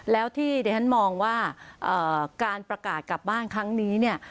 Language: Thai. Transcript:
แล้วที่ดิฉันมองว่าการประกาศกลับบ้านครั้งนี้เนี่ย